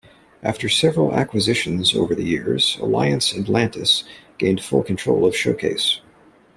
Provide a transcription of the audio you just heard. After several acquisitions over the years, Alliance Atlantis gained full control of Showcase.